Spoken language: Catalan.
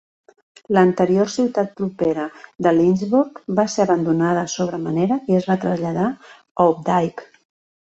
L'anterior ciutat propera de Lynchburg va ser abandonada sobre manera i es va traslladar a Opdyke.